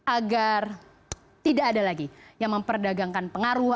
agar tidak ada lagi yang memperdagangkan pengaruh